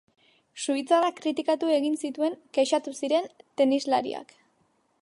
Suitzarrak kritikatu egin zituen kexatu ziren tenislariak.